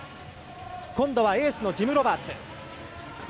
今度はエースのジム・ロバーツ。